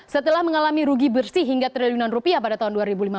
setelah mengalami rugi bersih hingga triliunan rupiah pada tahun dua ribu lima belas